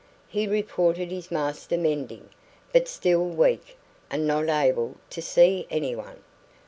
He reported his master mending, but still weak, and not able to see anyone.